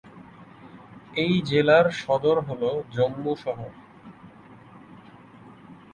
এই জেলার সদর হল জম্মু শহর।